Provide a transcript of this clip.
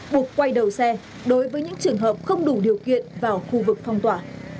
buộc quay đầu xe đối với những trường hợp không đủ điều kiện vào khu vực phong tỏa